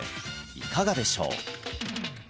いかがでしょう？